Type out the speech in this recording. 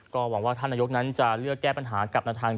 ก็หวังว่าท่านนายกนั้นจะเลือกแก้ปัญหากับในทาง